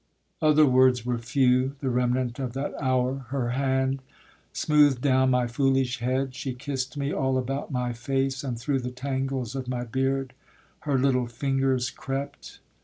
Other words were few, The remnant of that hour; her hand smooth'd down My foolish head; she kiss'd me all about My face, and through the tangles of my beard Her little fingers crept!